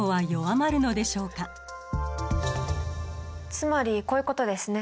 つまりこういうことですね。